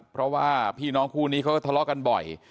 เพราะว่าพี่น้องคู่นี้เขาก็ทะเลาะกันบ่อย